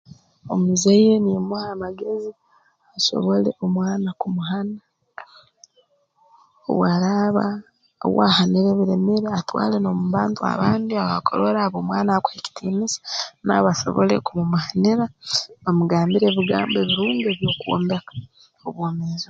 Omuzaire niimuha amagezi asobole omwana kumuhana obu araaba we ahanire biremere atwale n'omu bantu abandi ab'akurora ab'omwana akuha ekitiinisa nabo basobole kumumuhanira bamugambire ebigambo ebirungi eby'okwombeka obwomeezi bwe